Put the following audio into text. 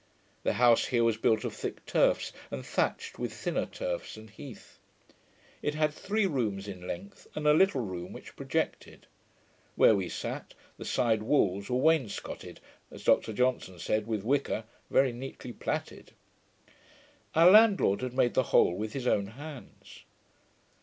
The house here was built of thick turfs, and thatched with thinner turfs and heath. It had three rooms in length, and a little room which projected. Where we sat, the side walls were WAINSCOTTED, as Dr Johnson said, with wicker, very neatly plaited. Our landlord had made the whole with his own hands.